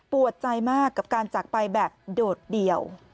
ใจมากกับการจากไปแบบโดดเดี่ยว